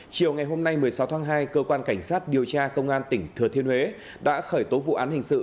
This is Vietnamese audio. chiều ngày hôm nay một mươi sáu tháng hai cơ quan cảnh sát điều tra công an tỉnh thừa thiên huế đã khởi tố vụ án hình sự